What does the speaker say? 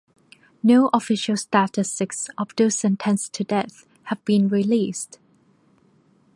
No official statistics of those sentenced to death have been released.